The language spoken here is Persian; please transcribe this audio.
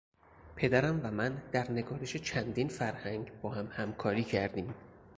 پدرم و من در نگارش چندین فرهنگ با هم همکاری کردیم.